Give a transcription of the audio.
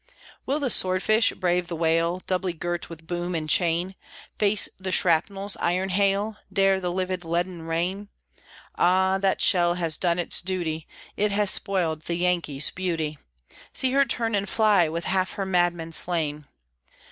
Will the swordfish brave the whale, Doubly girt with boom and chain? Face the shrapnel's iron hail? Dare the livid leaden rain? Ah! that shell has done its duty; it has spoiled the Yankee's beauty; See her turn and fly with half her madmen slain.